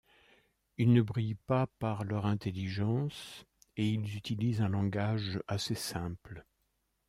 Ils ne brillent pas par leur intelligence et ils utilisent un langage assez simple.